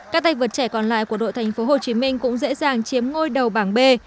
các tay vượt trẻ còn lại của đội thành phố hồ chí minh cũng dễ dàng chiếm ngôi đầu bảng b